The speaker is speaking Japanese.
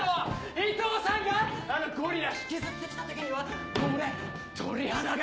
伊藤さんがあのゴリラ引きずって来た時にはもう鳥肌が！